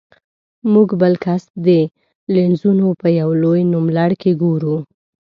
موږ بل کس د لینزونو په یو لوی نوملړ کې ګورو.